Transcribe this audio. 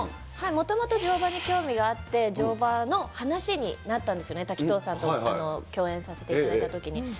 もともと乗馬に興味があって、乗馬の話になったんですよね、滝藤さんと共演させていただいたときに。